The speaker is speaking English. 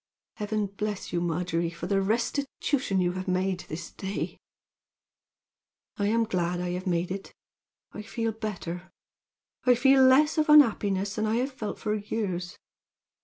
Heaven bless you, Margery, for the restitution you have this day made!" "I am glad I have made it. I feel better I feel less of unhappiness than I have felt for years.